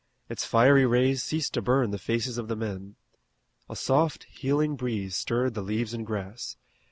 Its fiery rays ceased to burn the faces of the men. A soft healing breeze stirred the leaves and grass.